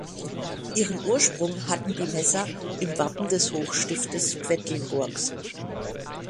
Ihren Ursprung hatten die Messer im Wappen des Hochstiftes Quedlinburgs.